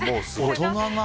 大人な。